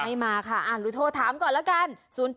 ไม่มาค่ะหรือโทรถามก่อนแล้วกัน